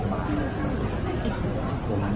ไปเข้าไปแล้ว